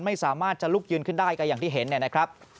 ไม่สามารถจะลุกยืนขึ้นได้ก็อย่างที่เห็นเนี่ยนะครับ